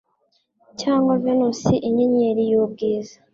Cyangwa Venus Inyenyeri y'Ubwiza